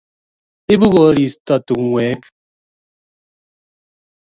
Ibu koristo tungwek